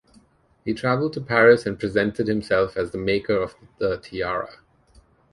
He traveled to Paris and presented himself as the maker of the tiara.